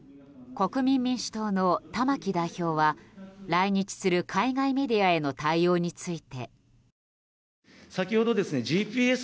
国民民主党の玉木代表は来日する海外メディアへの対応について。